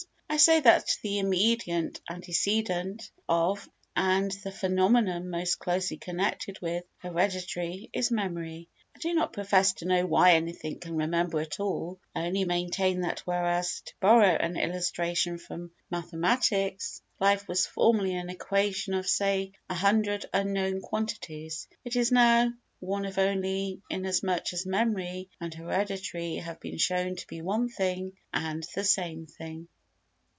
I say that the immediate antecedent of, and the phenomenon most closely connected with, heredity is memory. I do not profess to show why anything can remember at all, I only maintain that whereas, to borrow an illustration from mathematics, life was formerly an equation of, say, 100 unknown quantities, it is now one of only, inasmuch as memory and heredity have been shown to be one and the same thing.